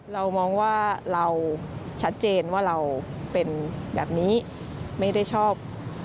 เรามองว่าเราชัดเจนว่าเราเป็นแบบนี้ไม่ได้ชอบ